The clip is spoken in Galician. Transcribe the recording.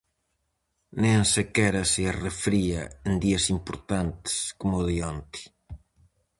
Nin sequera se arrefría "en días importantes" como o de onte.